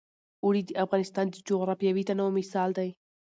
اوړي د افغانستان د جغرافیوي تنوع مثال دی.